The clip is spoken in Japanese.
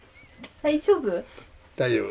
大丈夫？